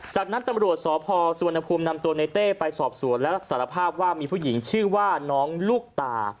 จากนั้นตำรวจสพสุวรรณภูมินำตัวในเต้ไปสอบสวนและสารภาพว่ามีผู้หญิงชื่อว่าน้องลูกตา